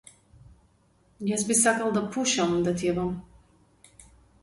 Јас би сакал да пушам, да ти ебам.